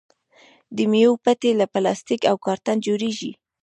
د میوو پیټۍ له پلاستیک او کارتن جوړیږي.